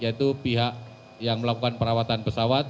yaitu pihak yang melakukan perawatan pesawat